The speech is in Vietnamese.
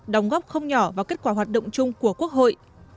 đóng góp không nhỏ vào kết quả hoạt động chung của quốc hội